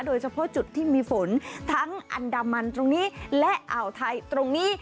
โดยเฉพาะจุดที่มีฝนทั้งอันดามันตรงนี้และอ่าวไทยตรงนี้